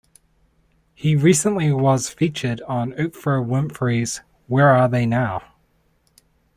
He recently was featured on Oprah Winfrey's Where are they now?